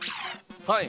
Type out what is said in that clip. はい。